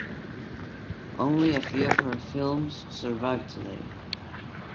Only a few of her films survive today.